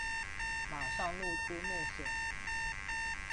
马上露出怒色